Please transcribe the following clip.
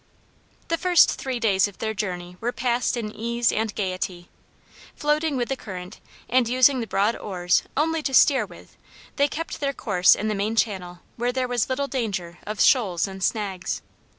The first three days of their journey were passed in ease and gaiety. Floating with the current and using the broad oars only to steer with, they kept their course in the main channel where there was little danger of shoals and snags.